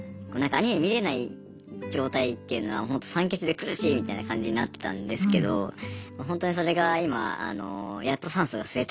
アニメ見れない状態っていうのはホント酸欠で苦しいみたいな感じになってたんですけどホントにそれが今やっと酸素が吸えたみたいな感じで。